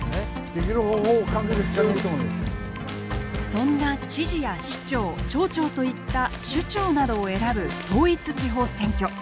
そんな知事や市長町長といった首長などを選ぶ統一地方選挙。